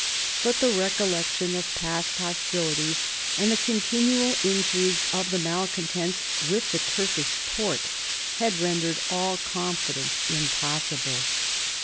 But the recollection of past hostilities and the continual intrigues of the malcontents with the Turkish Porte had rendered all confidence impossible.